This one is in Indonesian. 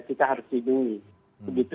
kita harus melindungi